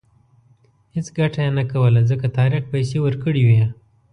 هېڅ ګټه یې نه کوله ځکه طارق پیسې ورکړې وې.